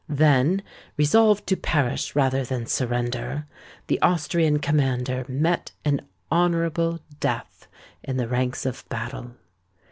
Then, resolved to perish rather than surrender, the Austrian commander met an honourable death in the ranks of battle.